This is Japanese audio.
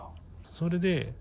それで。